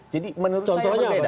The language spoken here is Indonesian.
jadi menurut saya berbeda